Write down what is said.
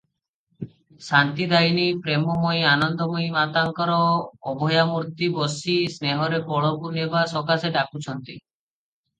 ଶାନ୍ତିଦାୟିନୀ ପ୍ରେମମୟୀ ଆନନ୍ଦମୟୀ ମାତାଙ୍କର ଅଭୟା ମୂର୍ତ୍ତି ବସି ସ୍ନେହରେ କୋଳକୁ ନେବା ସକାଶେ ଡାକୁଛନ୍ତି।